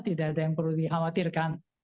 tidak ada yang perlu dikhawatirkan